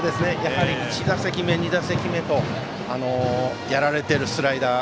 １打席目、２打席目とやられているスライダー。